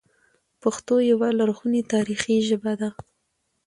پښتو یوه لرغونې تاریخي ژبه ده